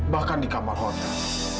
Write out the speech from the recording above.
bahkan di kamar konden